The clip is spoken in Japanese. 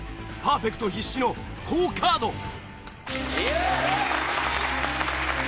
パーフェクト必至の好カード。